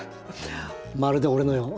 まるで俺のよう。